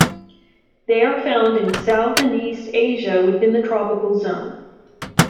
They are found in south and east Asia within the tropical zone.